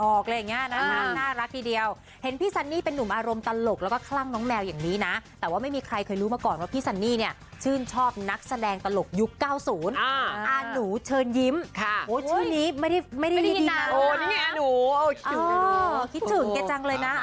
โอ้ยชื่อนี้ไม่ได้ยินมาแล้วโอ้ยนี่เนี่ยอหนูคิดถึงแกจังเลยนะ